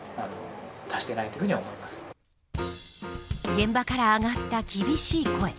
現場から上がった厳しい声。